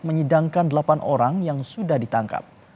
menyidangkan delapan orang yang sudah ditangkap